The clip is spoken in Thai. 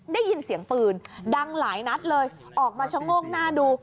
ได้ยินเสียงปืนดังหลายนัดเลยออกมาชะโงกหน้าดู